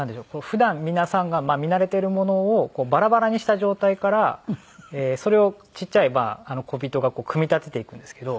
普段皆さんが見慣れているものをバラバラにした状態からそれをちっちゃいこびとが組み立てていくんですけど。